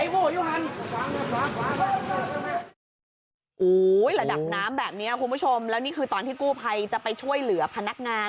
โอ้โหระดับน้ำแบบนี้คุณผู้ชมแล้วนี่คือตอนที่กู้ภัยจะไปช่วยเหลือพนักงาน